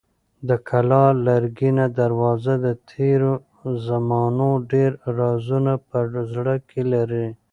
د کلا لرګینه دروازه د تېرو زمانو ډېر رازونه په زړه کې لري.